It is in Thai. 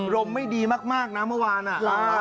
รมไม่ดีมากนะเมื่อวานอ่ะ